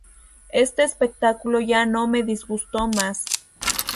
Este espectáculo ya no me disgustó más.